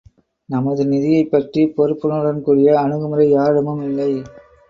நமது நிதியைப் பற்றிய பொறுப்புணர்வுடன் கூடிய அணுகுமுறை பாரிடமும் இல்லை.